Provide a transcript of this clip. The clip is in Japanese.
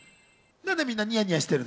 なんでみんなニヤニヤしてるの？